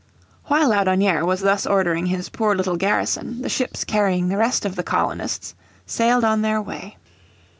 While Laudonnière was thus ordering his poor little garrison the ships carrying the rest of the colonists sailed on their way.